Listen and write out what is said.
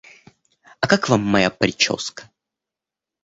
А как Вам моя прическа?